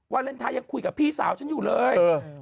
วาเลนไทยยังคุยกับพี่สาวฉันอยู่เลย